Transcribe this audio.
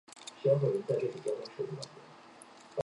后来又担任左转骑都尉。